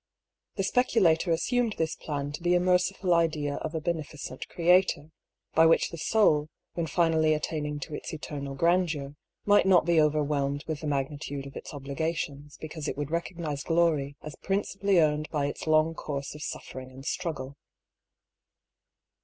The speculator assumed this plan to be a merciful idea of a beneficent Creator, by which the Soul, when finally at taining to its eternal grandeur, might not be overwhelmed with the magnitude of its obligations, because it would recognise glory as principally earned by its long course of suffering and struggle.